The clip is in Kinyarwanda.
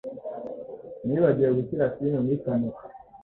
Nibagiwe gushyira firime muri kamera.